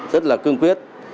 rất là cương quyết